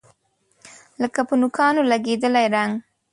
لکه په نوکانو لګیدلی رنګ